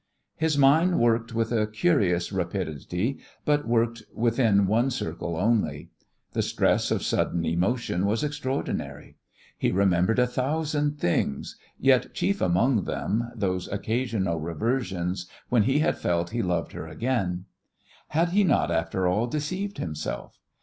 His mind worked with a curious rapidity, but worked within one circle only. The stress of sudden emotion was extraordinary. He remembered a thousand things yet, chief among them, those occasional reversions when he had felt he "loved her again." Had he not, after all, deceived himself?